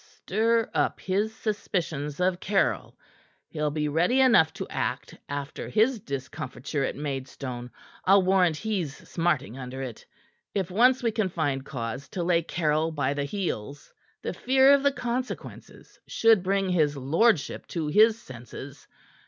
"Stir up his suspicions of Caryll. He'll be ready enough to act after his discomfiture at Maidstone. I'll warrant he's smarting under it. If once we can find cause to lay Caryll by the heels, the fear of the consequences should bring his lordship to his senses.